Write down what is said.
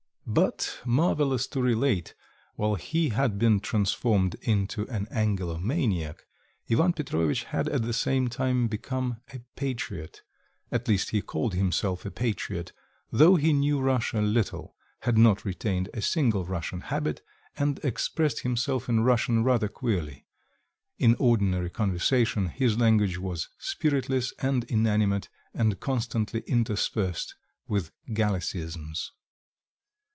But, marvelous to relate, while he had been transformed into an Anglomaniac, Ivan Petrovitch had at the same time become a patriot, at least he called himself a patriot, though he knew Russia little, had not retained a single Russian habit, and expressed himself in Russian rather queerly; in ordinary conversation, his language was spiritless and inanimate and constantly interspersed with Gallicisms.